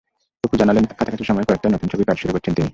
অপু জানালেন, কাছাকাছি সময়ে কয়েকটি নতুন ছবির কাজ শুরু করেছেন তিনি।